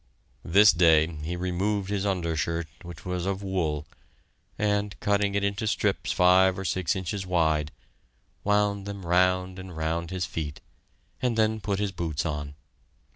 This day he removed his undershirt, which was of wool, and, cutting it into strips five or six inches wide, wound them round and round his feet, and then put his boots on.